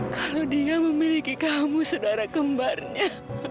kalau dia memiliki kamu saudara kembarnya